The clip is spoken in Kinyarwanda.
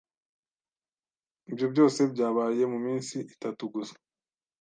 Ibyo byose byabaye muminsi itatu gusa.